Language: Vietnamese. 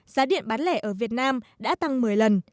giá điện bán lẻ ở việt nam đã tăng một mươi lần